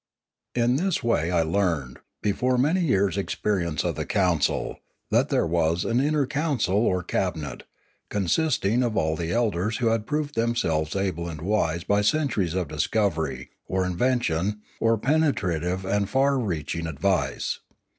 In this way I learned, before many years' experience of the council, that there was an inner council or cabi net, consisting of all the elders who had proved them selves able and wise by centuries of discovery, or invention, or penetrative and far reaching advice.